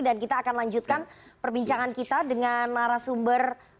dan kita akan lanjutkan perbincangan kita dengan narasumber